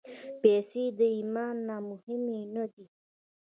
پېسې د ایمان نه مهمې نه دي.